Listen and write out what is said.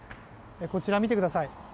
こちら見てください。